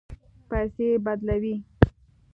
پیسې بدلوئ؟